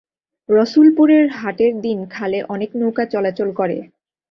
রসুলপুরের হাটের দিন খালে অনেক নৌকা চলাচল করে।